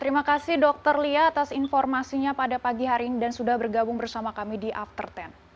terima kasih dokter lia atas informasinya pada pagi hari ini dan sudah bergabung bersama kami di after sepuluh